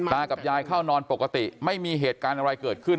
กับยายเข้านอนปกติไม่มีเหตุการณ์อะไรเกิดขึ้น